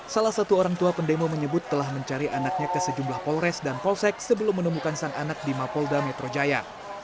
salah satu orang tua pendemo menyebut telah mencari anaknya ke sejumlah polres dan polsek sebelum menemukan sang anak di mapolda metro jaya